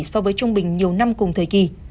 so với trung bình nhiều năm cùng thời kỳ